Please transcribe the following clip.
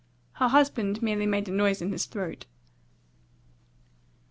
Her husband merely made a noise in his throat.